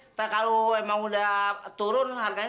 kita kalau emang udah turun harganya